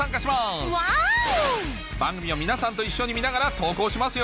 番組を皆さんと一緒に見ながら投稿しますよ！